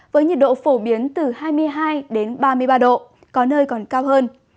với nhiệt độ phổ biến từ hai mươi hai ba mươi ba độ có nơi còn cao hơn